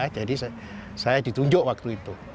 jadi saya ditunjuk waktu itu